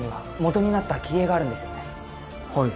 はい。